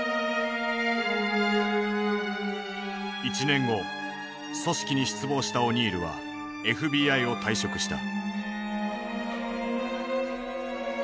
１年後組織に失望したオニールはＦＢＩを退職した。